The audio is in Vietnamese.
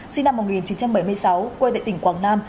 sinh năm một nghìn chín trăm bảy mươi sáu quê tại tỉnh quảng nam